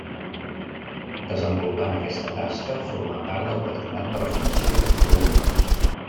Desenvolupant aquesta tasca formà part del patronat de la Fundació Factor Humà.